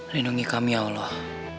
lindungi kami ya allah